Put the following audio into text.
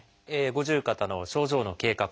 五十肩の症状の経過